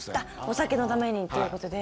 酒のためにっていうことで。